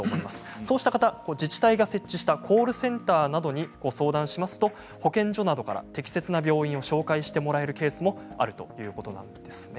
そうした方は自治体が設置したコールセンターなどに相談しますと保健所などから適切な病院を紹介してもらえるケースもあるということです。